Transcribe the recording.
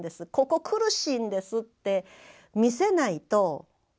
ここ苦しいんですって見せないと。